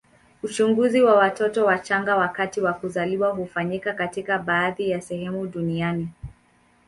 Uchunguzi wa watoto wachanga wakati wa kuzaliwa hufanyika katika baadhi ya sehemu duniani.